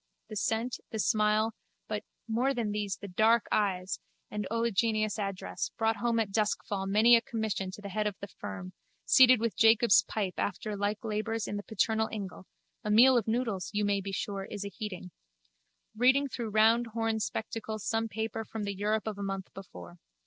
The scent, the smile, but, more than these, the dark eyes and oleaginous address, brought home at duskfall many a commission to the head of the firm, seated with Jacob's pipe after like labours in the paternal ingle (a meal of noodles, you may be sure, is aheating), reading through round horned spectacles some paper from the Europe of a month before.